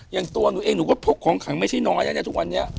อย่างตัวหนูเองหนูก็พกของขังไม่ใช่น้อยนะเนี่ยทุกวันนี้